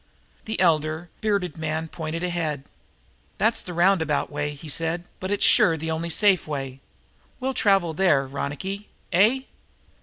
The elder, bearded man, pointed ahead. "That's the roundabout way," he said, "but it's sure the only safe way. We'll travel there, Ronicky, eh?"